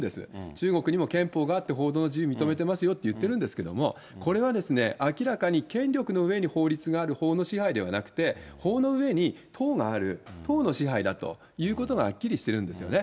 中国にも憲法があって報道の自由認めてますよって言ってるんですけども、これはですね、明らかに権力の上に法律がある法の支配ではなくて、法の上に党がある、党の支配だということがはっきりしてるんですね。